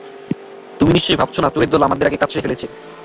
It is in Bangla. তুমি নিশ্চয়ই ভাবছ না চোরের দল আমাদের আগেই কাজ সেরে ফেলেছে?